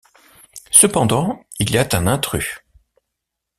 Cependant, il y a un intrus.